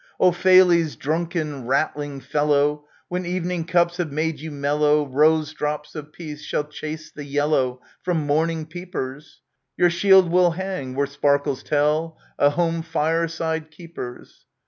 O Phales, drunken, rattling fellow ! When evening cups have made you mellow, Rose drops of peace shall chase the yellow From morning peepers ! Your shield we'll hang where sparkles tell o* Home fireside keepers